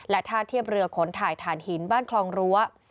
ท่าเทียบเรือขนถ่ายฐานหินบ้านคลองรั้ว